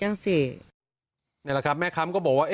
นี่แหละครับ